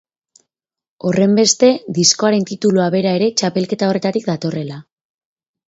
Horrenbeste, diskoaren titulua bera ere txapelketa horretatik datorrela.